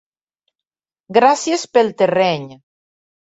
Gràcies pel terreny.